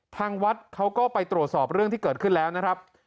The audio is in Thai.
ทางวัดเขาก็ไปตรวจสอบเรื่องที่เกิดขึ้นแล้วนะครับ